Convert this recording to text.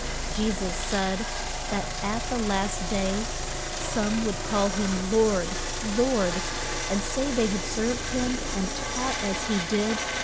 Je sus said that at the last day some would call him Lord, Lord, and say they had served him and taught as he did.